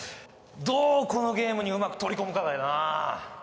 どうこのゲームにうまく取り込むかだよな